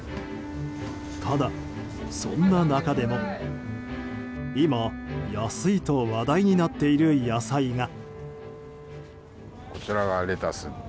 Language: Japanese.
ただ、そんな中でも今、安いと話題になっている野菜が。